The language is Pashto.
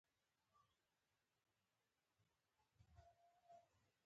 راځئ چې بديل ولټوو.